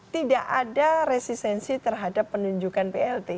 tidak ada resistensi terhadap penunjukan plt